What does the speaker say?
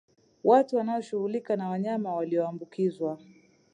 Watu wanaoshughulika na wanyama walioambukizwa